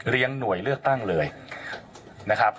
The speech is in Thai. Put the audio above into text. หน่วยเลือกตั้งเลยนะครับ